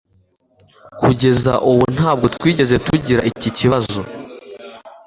Kugeza ubu, ntabwo twigeze tugira iki kibazo.